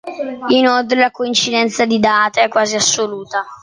Inoltre la coincidenza di date è quasi assoluta.